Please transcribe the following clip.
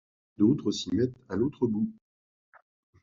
Et d’autres s’y mettent à l’autre bout.